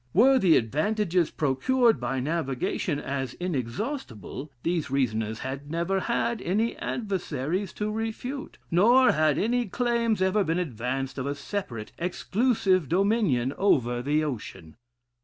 Were the advantages procured by navigation as inexhaustible, these reasoners had never had any adversaries to refute; nor had any claims ever been advanced of a separate, exclusive dominion over the ocean....